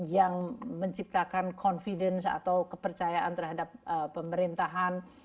yang menciptakan confidence atau kepercayaan terhadap pemerintahan